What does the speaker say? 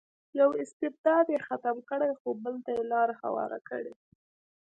یو استبداد یې ختم کړی خو بل ته یې لار هواره کړې.